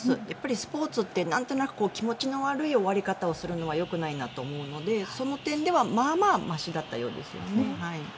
スポーツってなんとなく気持ちの悪い終わり方をするのはよくないなと思うのでその点ではまあまあましだったと思います。